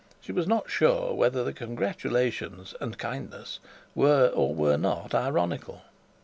She was not sure whether the congratulations and kindness were or were not ironical.